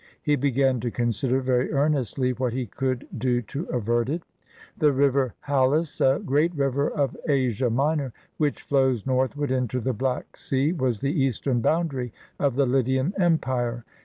He began to consider very earnestly what he could do to avert it. The river Halys, a great river of Asia Minor, which flows northward into the Black Sea, was the eastern boundary of the Lydian empire.